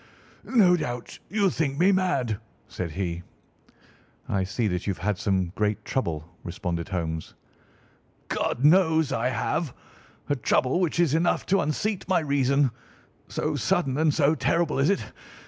"No doubt you think me mad?" said he. "I see that you have had some great trouble," responded Holmes. "God knows I have!—a trouble which is enough to unseat my reason, so sudden and so terrible is it.